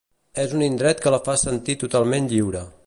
És un indret que la fa sentir totalment lliure.